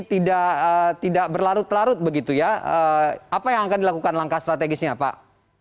tidak berlarut larut begitu ya apa yang akan dilakukan langkah strategisnya pak